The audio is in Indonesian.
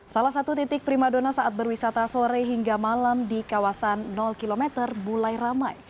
salah satu titik prima dona saat berwisata sore hingga malam di kawasan km mulai ramai